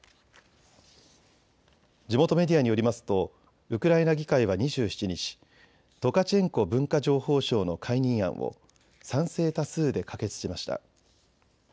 地元メディアによりますとウクライナ議会は２７日、トカチェンコ文化情報相の解任案を賛成多数で可決しました。